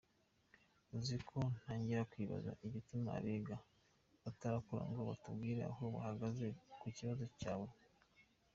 Uziko ntangiye kwibaza igituma Abega batarakorana ngo batubwire aho bahagaze ku kibazo cyawe!?